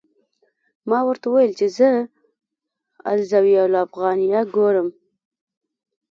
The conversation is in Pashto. ما ورته وویل چې زه الزاویة الافغانیه ګورم.